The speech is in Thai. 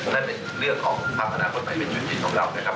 นั่นเป็นเรื่องของภักดิ์ภักดิ์ภรรณาคนใหม่เป็นชุดจิตของเรานะครับ